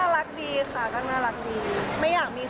แต่ว่าจริงก็คือไม่ได้คุยกับใครเลย๒ปีแล้วด้วยอะไรอย่างนี้ค่ะ